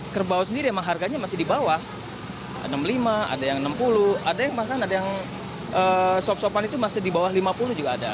kerbau sendiri emang harganya masih di bawah enam puluh lima ada yang enam puluh ada yang makan ada yang sopan sopan itu masih di bawah lima puluh juga ada